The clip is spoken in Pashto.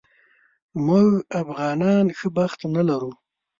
موږ افغانان ښه بخت نه لرو